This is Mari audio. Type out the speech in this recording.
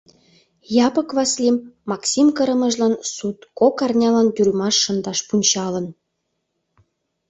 — Япык Васлим Максим кырымыжлан суд кок арнялан тюрьмаш шындаш пунчалын.